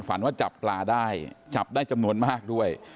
ฝันว่าจับปลาได้จับได้จำนวนมากด้วย